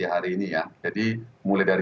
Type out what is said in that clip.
hari ini ya jadi mulai dari